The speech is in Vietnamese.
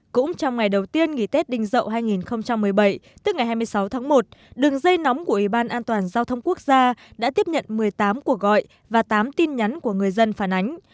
cũng trong ngày đầu tiên nghỉ tết đình dậu hai nghìn một mươi bảy tức ngày hai mươi sáu tháng một đường dây nóng của ủy ban an toàn giao thông quốc gia đã tiếp nhận một mươi tám cuộc gọi và tám tin nhắn của người dân phản ánh